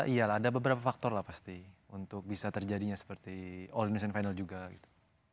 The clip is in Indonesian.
iya ada beberapa faktor lah pasti untuk bisa terjadinya seperti all indonesian final juga gitu